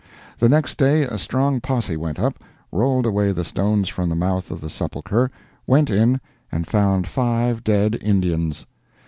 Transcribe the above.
The next day a strong posse went up, rolled away the stones from the mouth of the sepulchre, went in and found five dead Indians!